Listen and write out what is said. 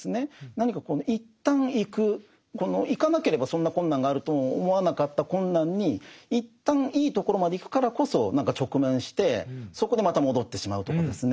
何か一旦行く行かなければそんな困難があるとも思わなかった困難に一旦いいところまで行くからこそ何か直面してそこでまた戻ってしまうとかですね。